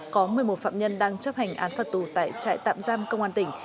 có một mươi một phạm nhân đang chấp hành án phạt tù tại trại tạm giam công an tỉnh